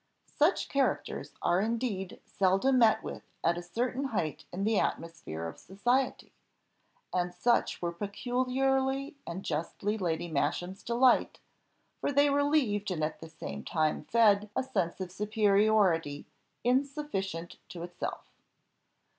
Such characters are indeed seldom met with at a certain height in the atmosphere of society, and such were peculiarly and justly Lady Masham's delight, for they relieved and at the same time fed a sense of superiority insufficient to itself.